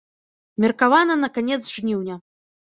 Меркавана на канец жніўня.